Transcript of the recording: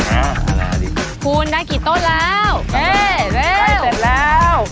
อ่าอะไรดิคุณได้กี่ต้นแล้วเฮ้เร็วเสร็จแล้ว